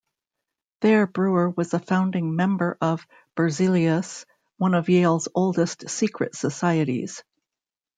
There, Brewer was a founding member of Berzelius, one of Yale's oldest "secret societies".